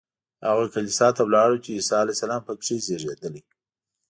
هغه کلیسا ته لاړو چې عیسی علیه السلام په کې زېږېدلی.